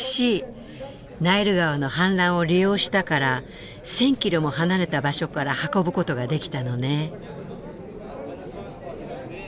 ナイル川の氾濫を利用したから１０００ｋｍも離れた場所から運ぶことができたのね。